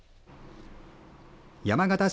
山形市